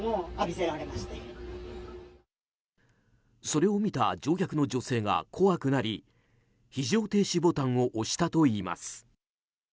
それを見た乗客の女性が怖くなり非常停止ボタンを押したといいます。